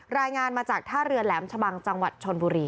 รายงานมาจากท่าเรือแหลมชะบังจังหวัดชนบุรี